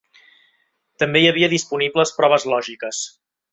També hi havia disponibles proves lògiques.